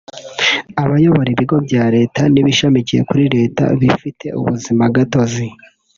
abayobora ibigo bya Leta n’ibishamikiye kuri Leta bifite ubuzima gatozi